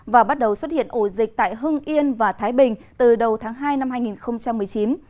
và bắt đầu xuất hiện ổ dịch tại hưng yên và thái bình từ đầu tháng hai năm hai nghìn một mươi chín